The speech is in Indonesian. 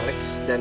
terima kasih bang